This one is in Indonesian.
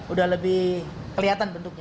udah lebih keliatan bentuknya